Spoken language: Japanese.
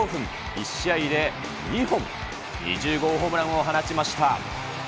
１試合で２本、２０号ホームランを放ちました。